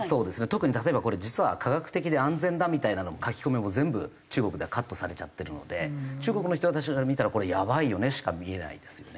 特に例えば「これ実は科学的で安全だ」みたいな書き込みも全部中国ではカットされちゃってるので中国の人たちから見たら「これやばいよね」しか見えないですよね。